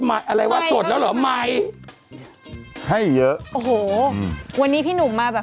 อะไรว่าสดแล้วเหรอใหม่ให้เยอะโอ้โหวันนี้พี่หนุ่มมาแบบ